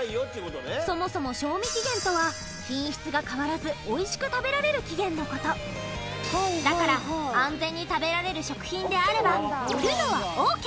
そもそも賞味期限とは品質が変わらずおいしく食べられる期限のことだから安全に食べられる食品であれば売るのはＯＫ